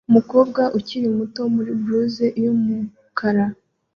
Umukobwa ukiri muto muri blus yumukara